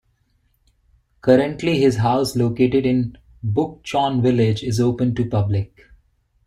Currently his house located in Bukchon Village is open to public.